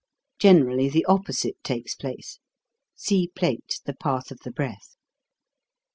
Generally the opposite takes place. (See plate, The Path of the Breath.)